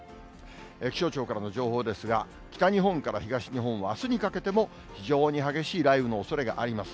気象庁からの情報ですが、北日本から東日本はあすにかけても非常に激しい雷雨のおそれがあります。